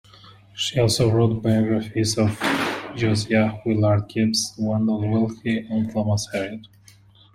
She also wrote biographies of Josiah Willard Gibbs, Wendell Willkie, and Thomas Hariot.